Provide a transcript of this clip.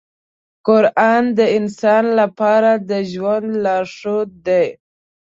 قرآن د انسان لپاره د ژوند لارښود دی.